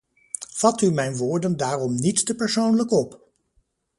Vat u mijn woorden daarom niet te persoonlijk op.